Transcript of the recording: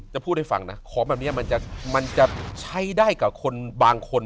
จะพูดให้ฟังนะของแบบนี้มันจะใช้ได้กับคนบางคน